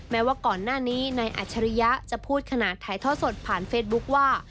แม้ว่าก่อนหน้านี้นายอัจฉริยะจะพูดขนาดถ่ายท่อสดผ่านเฟซบุ๊คว่า